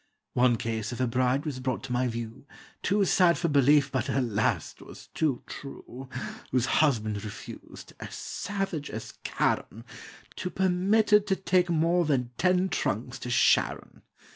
One case of a bride was brought to my view, Too sad for belief, but, alas! 't was too true, Whose husband refused, as savage as Charon, To permit her to take more than ten trunks to Sharon.